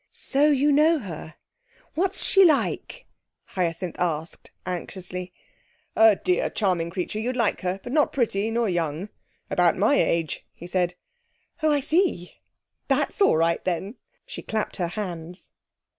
'So you know her. What's she like?' Hyacinth asked anxiously. 'Oh, a dear, charming creature you'd like her; but not pretty, nor young. About my age,' he said. 'Oh, I see! That's all right, then!' She clapped her hands.